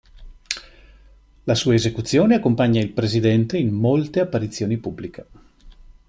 La sua esecuzione accompagna il Presidente in molte apparizioni pubbliche.